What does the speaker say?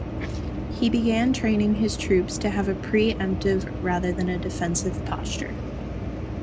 He began training his troops to have a pre-emptive rather than a defensive posture.